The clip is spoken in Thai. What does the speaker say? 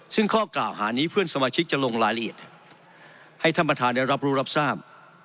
ซึ่งข้อกล่าวหานี้เพื่อนสมาชิกจะลงรายละเอียดให้ท่านประธานได้รับรู้รับทราบ